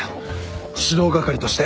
指導係として。